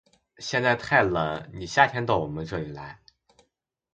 现在太冷，你夏天到我们这里来。